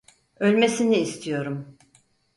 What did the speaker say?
Ölmesini istiyorum.